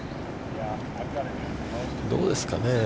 どうですかね。